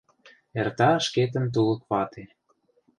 Эрта шкетын тулык вате.